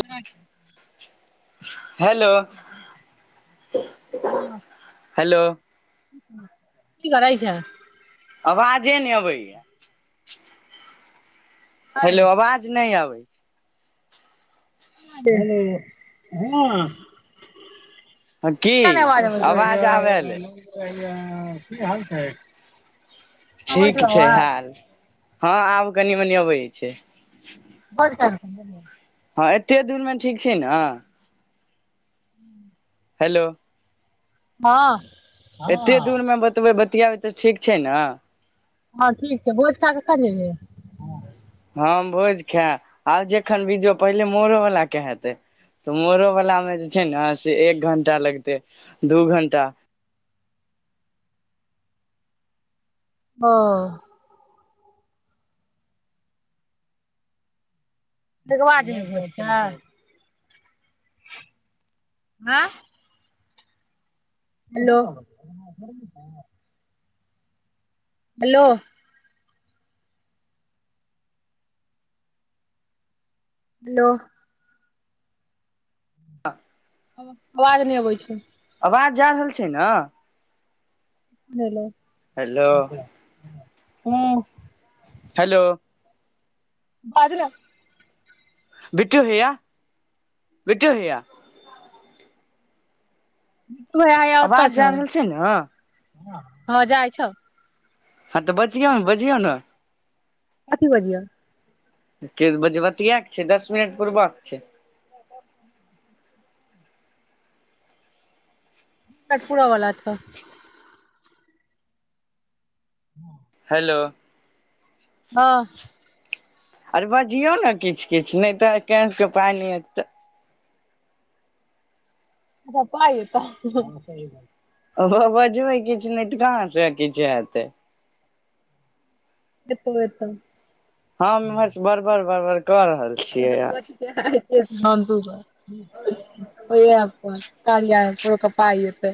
हँ [unintelligible] [unintelligible] [inaudible] हेलो हँ हेलो की करै छ आवाजे नहि अबैए हलो किया आवाज नहि आबै [unintelligible] हँ ह की आवाज आबैलै आ की हाल छै अबैत छौ ठीक छै आवाज हाल हँ आब कनि मनि अबै छै बाद क समझ [unintelligible] हँ एते दूर मे ठीक छै ने हू [unintelligible] हेलो हँ एते दूर हँ मे बतबै ब िया भी तऽ ठीक छै ने हँ ठीक छै भोज ख क क जेबै हम भोज खाय आर जखन बीजो पहिले मोड़ोवलाके हेतै तऽ मोरोवलामे जे छै ने से एक घण्टा लगतै दू घण्टा हँ बा जे होइ छै [unintelligible] आँ हेलो। हेलो। दो। आवाज नहि अबै छै। आवाज जा रहल छै ने। हलो। हेलो अच्छा। हँ हेलो बाजन बीटू होा बीटू होा ह। भइ अह आता आवाज जा छ। रहल छै ने हँ जाइ छ। हँ तऽ बचििय ने बचििय ने। कथी बिियौ। क बजी बात। क आ छै दस मिनट पूब आ। कठपुरा वाला थ। ह। हेलो। वाह। आर बजियौ ने किछु किछु नहि तऽ कसके पाइ नहि हत तै। अच्छ प त। ओ बजबै किछु नहि तऽ कहाँसँ किछु हेतै। दप बेत। हँर् बरबर बरबर। क ब। क प क पाइतै।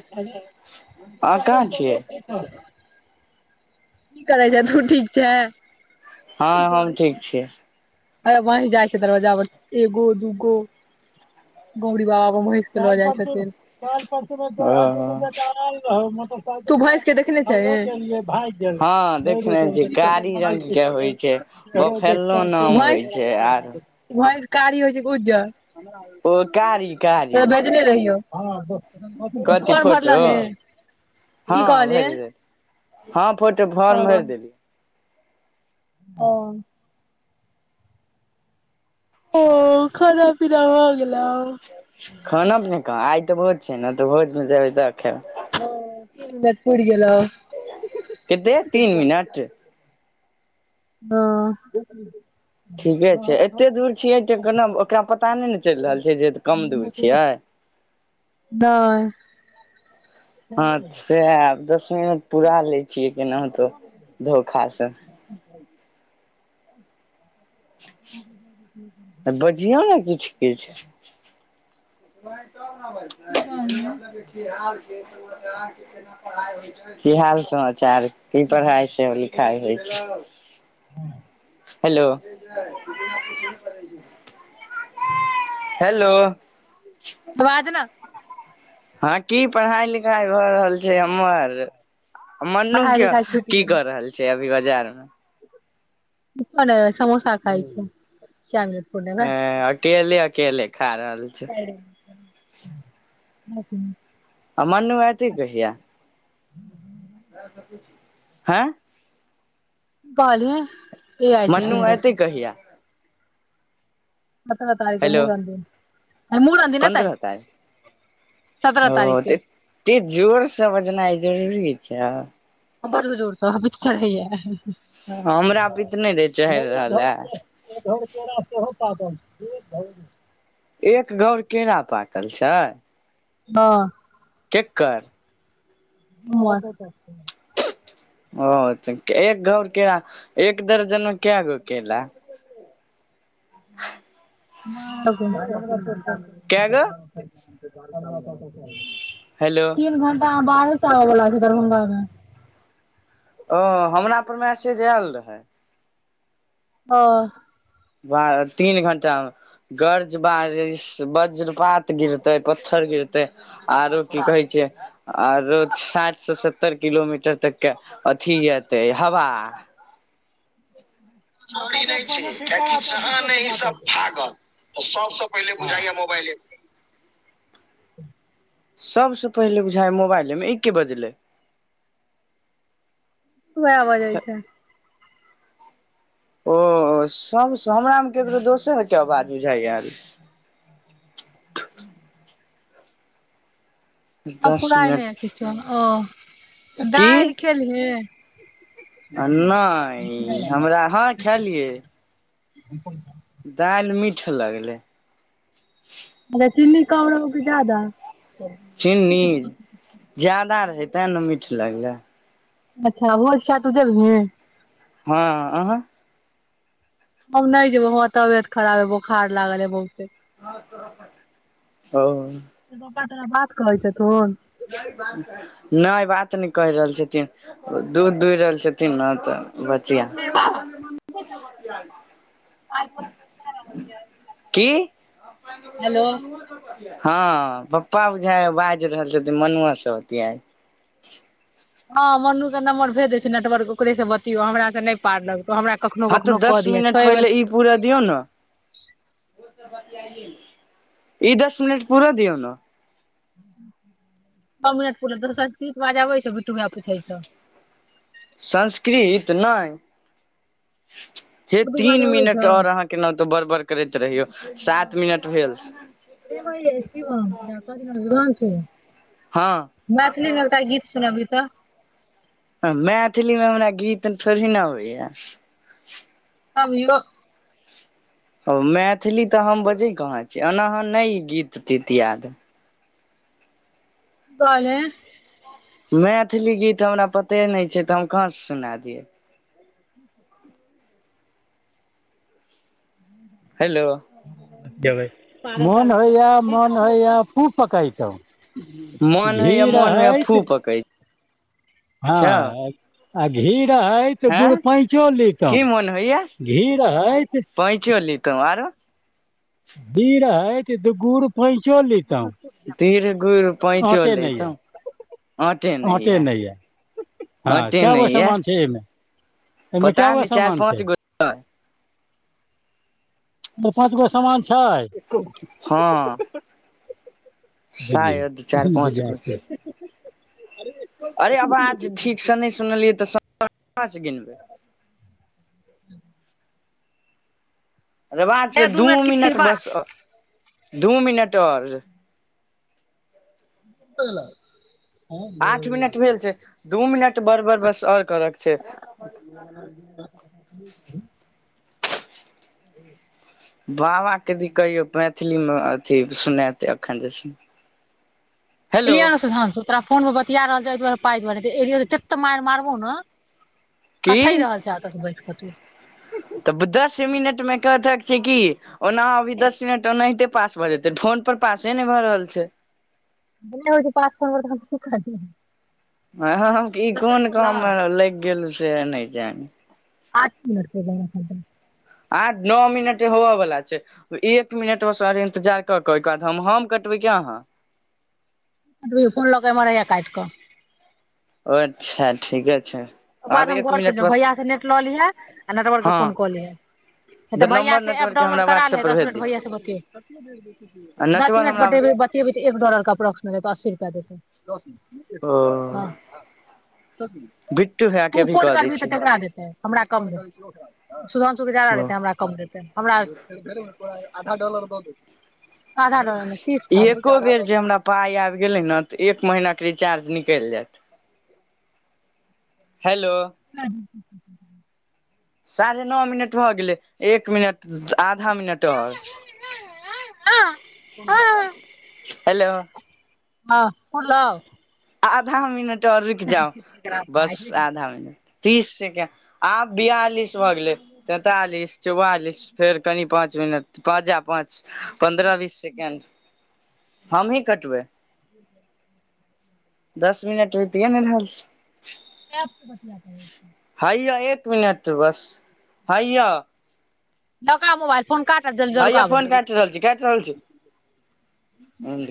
अहाँ कहाँ छियै [unintelligible] की करै छ तू ठीक छ। हँ हम ठीक छियै। ह वही जाइ छै दरवाजा पर एगो दूगो गौरी बाबा पर वहीष के लऽ जाइ छथिन। ओ द बेल रह। तू भस के देखने छ गेल। भ हँ देखने छियै कारी रंग के होइ छै बफेल्लो नाम होइ छै आर भ। कारी होइ छै क ज। ओ कारी त भेजने रहियौ। हँ। कथि फोटो, हँ की कहले भरि देलियै, हँ फोटो फार्म भरि देलियै। आं। ओ खाना पीना भ गेलै। खाना पीना कहाँ आइ तऽ भोज छै ने त भोज मे जेबै द के। ओ पड़ गेलेल। कते तीन मिनट। हँ। ठीके छै, एतेक दूर छियै त हमरा केना ओकरा पता नहि ने चलि रहल छै जे कम दुर नहि छियै। अच्छा। हुं, पुरा लै छियै केनाहुतो धोखा से। [unintelligible] आ बजियौ ने किछु किछु। लाइट आफ इहे की बजतै, कहलियै मतलब कि हाल। की हाल समाचार। की पढ़ाइ छै लिखाइ होइ छै। [unintelligible] हेलो। हेलो। बाज ने। हं की पढ़ाई लिखाई भए रहल छै? ओमहर, मनु पढ़ाइ के लिखाइ छुटि की गेल क रहल छै दुइ हजार मे। किछो नो समोसा खाय छै। चल ने पुरै ले। अकेले अकेले खाइ [unintelligible] अ [unintelligible] आ मनु एतै कहिया? [inaudible] हें। कहलियै। ए आइ छै मनु सुनि एतै रहल कहिया? सत्रह तारीख के हेलो मूड़न दिन मूड़न दिन एतै पंद्रअ तारीक सत्रह औ तारीख के त एते जोर से बजनाय जरूरी चा। अ बड़ बुजुर्ग सब विध करै या। हमरा पे इ ते नै रहै चहेड़ रहल अय। [unintelligible] एक घौर केरा। पाकल छै। हं। कल। सोमवारे के एतै। औ ते के एक घोर केरा एक दर्जन मे काएगो केला। [unintelligible] [unintelligible] [unintelligible] कए गो हेलो तीन घन बा हां बाढ़ो सब आबै बला छै दरभंगा मे। औ हमरा पर मेसैज आएल रहै। औ। बा तीन घंटा मे गर्ज बारिश बज्र पात गिरते, पत्थर गिरते आरो की कहे छै आरो साएठ से सत्तर किलोमीटर तक के अथी एते हवा। [unintelligible] नै छै लेकिन जहां ने ई सब भागल सबसे पहिले बुझाय या मुबाएले ऊंह। सबसे पहिले बुझाय मुबाइलेमे इ कि बजलै। उहाए बजैय छै। औ सब स हमरा मे केकरो दोसर के अवाज बुझाय याएल। आ दस पुराय नै मिनट किछो औ। दाएल खेलिये। [inaudible] आ नै हमरा हां खेलियै। [unintelligible] दाएल मीठ लगलै। अच्छा चिन्नी कम रहो की जादा। चीनी जादा रहय ताय नै मीठ लगलै। अच्छा भोज खाय तू जेभी। हँ आहा हम नहि जेबै वं तबियत खराब हे बोखार लागल हे बहुत ओ पप्पा बात कहै छ तन नहि बात नहि कहि रहल छथिन उ दूध दूह रहल छथिन ना। त बचिया की हेलो हँ पप्पा बुझा बाजि रहल छथि मनआसँ होत हँ मनू के नम्बर भेज दै छै नेटवर्क ओकरे से बतियौ हमरा से नहि पार लगत हँ तऽ दस मिनट पहिनेे ई पूरा दियौ ने ई दस मिनट पूरा दिऔ ने छ मिनट पू दोसरी बाज आबै छ बि्टू भ पूछै छ [unintelligible] संस्कृत नहि हे उर्दू तीन बाजऽ आबै मिनट छौ आओर अहाँ के न तो बड़ बड़ करैत रहियौ सात मिनट भेल ह हँ मैथिलीमे एकटा गीत सुनबी तऽ [unintelligible] मैथिलीमे हमरा गीत थोड़ी न होइ ह अबो ओ मैथिली तऽ हम बजै कहाँ छी एनााँ नहि ई गीत तीत याद गाले मैथिली गीत हमरा पते नहि छै तऽ हम कहाँसँ सुना दियै [unintelligible] हेलो मन होइया मन होइया खूब पकतहु मन होइया मोन होए फू पकै छै हँ आे है त हँ गुर पैचो लेत की मोन होइया घी है त आर बीड़ हइट द गूर पैचो लता धीर गुड़ पैंचो आऑटे नहि लेतौ यए आटे ऑटे ये नहि यऽ हँ आटे कए गो नहि ये समान छै एहिमे ह [inaudible] पता न चारि पाँच गोट। द पाँच गो सामान छै। हँ। साह अध चारि बुझियौ पाँच गज। बेजारके अरे आवाज ठीकसँ नहि सुनलियै तऽ गिनबै अे बच दे दू मिनट किछ मिनिनट किछ बाज बस दू मिनट आओर। ल। आठ मिनट भेल छै दू मिनट बरबर बस आओर करक छै। बाबाेदी कहियौ मैथिलीमे अथी सुनेतै एखन जे छै। हेलो किय ने सुधंशु तोरा फोन मे बिया रहल छै एहिहि दुआरे। पाय देब नेऽ ए त ततऽ मार मारबौ ने। की कथ ही रहल छैतऽ बैस कत। तऽ दस मिनट मे कहतक छै किी ओना अभी दस मिनट ओनाहिते पास भऽ जेतै ढो। पर पासे नहि भए रहल छै। ब हो पासक। ख खाद ह। आ ई कोन काम लागि गेल से नहि। जानी। आठ मिनटके बना खर। आ नओ मिनट होबयवला छै एक मिनटमे सरे इंतजार कऽ कऽ ओहिके बाद हम हम कटबै क अहाँ। त कोन लोक म रहै य काट कऽ। ओ अच्छा ठीके छै। ओकर बाद आब हम एक घर मिनट चल बस भैया से नेट लऽ लिहे आ नेटवर्कके हँ फोन क लहे तऽ भैया नम्बर के एप नेटवर्कके डाउनलोड हमरा करा व्हाट्सऐप लेहे पर दस भेज मिनट दी भैय बत आ दस नेटवर्क मिनट हमरा बतेब बतेबै तऽ एक डॉलर के अपो्स देत अस्सी रुपआ देतौ। दस। ओ भट। तू फोन करबही तऽ ककरा देतै हमरा कम देतै सुधंशुके जादा हँ देतै हमरा कम देतै हमरा। अधा डोलर दौत। एको बेर जे हमरा पाइ आबि गेलै ने त एक महिना। बकरी च अर्जनी क जा। हेलो। साढ़े नओ मिनट भऽ गेलै एक मिनट। आधा मिनटर। ह। हेलो। हँ कन ल। आधा मिनट एकटा और रूइक जाउ बस पाइ आधा मिनट। तीस सेकेण्ड आब बियालिस भऽ गेलै तैंतालिस चौआालिस फेर कनि। पाँच मिनट प जा पाँच पन्द्र बीस सेकेंड हमही कटबै? दस मिनट बीतिये ने रहल छै। सँ बतिया कर हैया एक मिनट बस हइया। ल' क' आ मोबाइल। फोन काटब जल्दी हैया फोन रुकाबै काटि रहल छी। काटि रहल छी।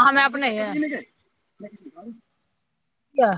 आहाँ में अपने या?